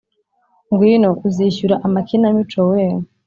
"ngwino, uzishyura amakinamico wee;